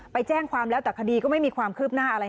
ไปแจ้งความแล้วแต่คดีก็ไม่มีความคืบหน้าอะไร